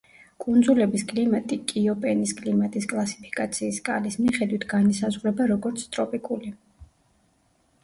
კუნძულების კლიმატი კიოპენის კლიმატის კლასიფიკაციის სკალის მიხედვით განისაზღვრება როგორც ტროპიკული.